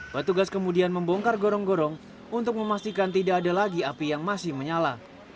petugas kemudian membongkar gorong gorong untuk memastikan tidak ada lagi api yang masih menyala